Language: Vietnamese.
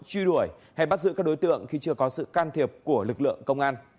truy đuổi hay bắt giữ các đối tượng khi chưa có sự can thiệp của lực lượng công an